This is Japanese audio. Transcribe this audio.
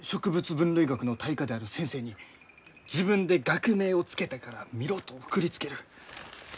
分類学の大家である先生に「自分で学名を付けたから見ろ」と送りつける。